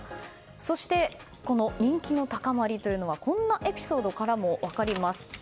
そして、この人気の高まりはこんなエピソードからも分かります。